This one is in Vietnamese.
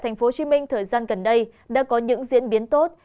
tình hình dịch tại tp hcm thời gian gần đây đã có những diễn biến tốt